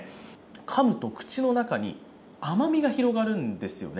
かむと口の中に甘みが広がるんですよね。